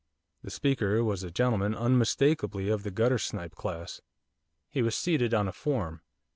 The speaker was a gentleman unmistakably of the guttersnipe class. He was seated on a form.